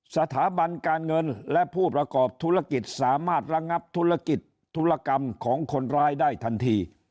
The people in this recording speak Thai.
สถาบันการเงินและผู้ประกอบธุรกิจสามารถระงับธุรกิจธุรกรรมของคนร้ายได้ทันที